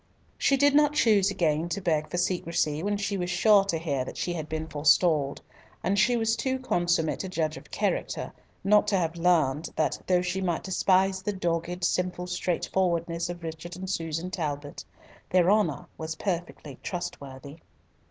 She did not choose again to beg for secrecy when she was sure to hear that she had been forestalled, and she was too consummate a judge of character not to have learnt that, though she might despise the dogged, simple straightforwardness of Richard and Susan Talbot, their honour was perfectly trustworthy.